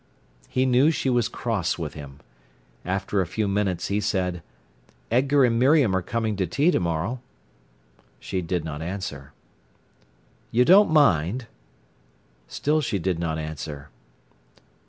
He knew she was cross with him. After a few minutes he said: "Edgar and Miriam are coming to tea to morrow." She did not answer. "You don't mind?" Still she did not answer.